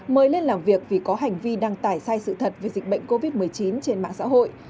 mời lên làm việc vì có hành vi đăng tải sai sự thật về dịch bệnh covid một mươi chín trên mạng xã hội